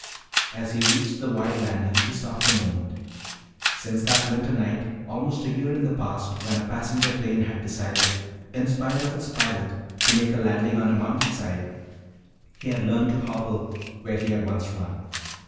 As he reached the wide landing he stopped a moment. Since that winter night, almost a year in the past, when a passenger plane had decided in spite of its pilot to make a landing on a mountainside, he had learned to hobble where he had once run.